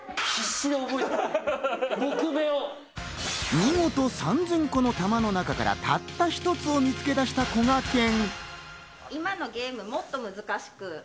見事、３０００個の球の中からたった１つを見つけ出した、こがけん！